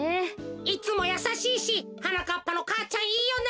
いつもやさしいしはなかっぱの母ちゃんいいよな。